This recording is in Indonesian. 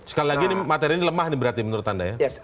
sekali lagi ini materi ini lemah nih berarti menurut anda ya